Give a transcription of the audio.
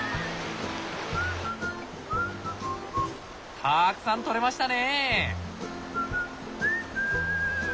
たくさん採れましたね！